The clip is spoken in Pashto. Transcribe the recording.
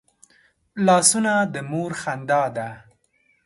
لاسونه د مور خندا ده